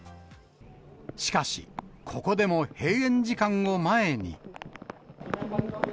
しかし、ここでも閉園時間を前に。